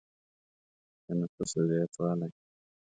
د نفوسو زیاتوالی.